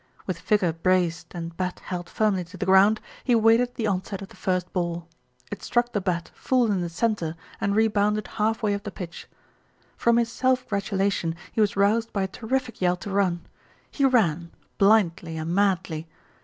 With figure braced and bat held firmly to the ground he waited the onset of the first ball. It struck the bat full in the centre and re bounded half way up the pitch. From his self gratulation he was roused by a terrific yell to run. He ran, blindly and madly.